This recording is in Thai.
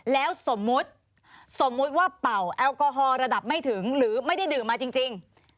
แล้วสมมุติสมมุติว่าเป่าแอลกอฮอล์ระดับไม่ถึงหรือไม่ได้ดื่มมาจริง